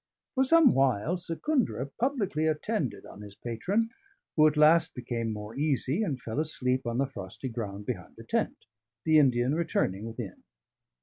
For some while, Secundra publicly attended on his patron, who at last became more easy, and fell asleep on the frosty ground behind the tent, the Indian returning within.